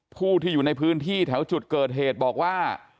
ผู้ที่อยู่ในพื้นที่แถวจุดเกิดเหตุบอกว่า